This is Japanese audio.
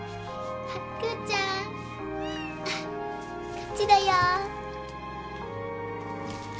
こっちだよ。